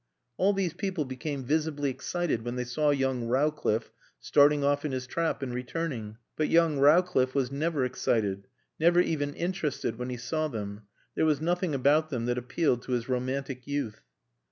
All these people became visibly excited when they saw young Rowcliffe starting off in his trap and returning; but young Rowcliffe was never excited, never even interested when he saw them. There was nothing about them that appealed to his romantic youth.